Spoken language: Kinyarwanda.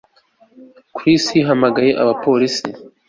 Chris yahamagaye abapolisi